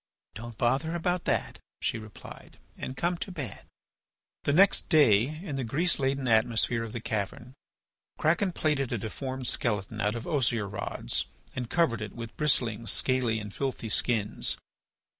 "Don't bother about that," she replied, "and come to bed." The next day in the grease laden atmosphere of the cavern, Kraken plaited a deformed skeleton out of osier rods and covered it with bristling, scaly, and filthy skins.